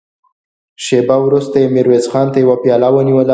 شېبه وروسته يې ميرويس خان ته يوه پياله ونيوله.